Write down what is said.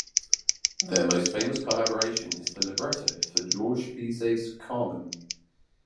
Their most famous collaboration is the libretto for Georges Bizet's "Carmen".